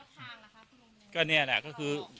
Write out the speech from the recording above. บอกแล้วบอกแล้วบอกแล้ว